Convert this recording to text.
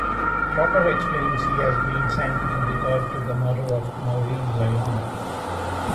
Trotter explains he has been sent in regard to the murder of Maureen Lyon.